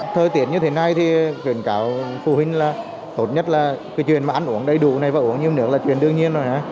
thời tiết như thế này thì chuyện cả phụ huynh là tốt nhất là cái chuyện mà ăn uống đầy đủ này và uống nhiều nước là chuyện đương nhiên rồi nha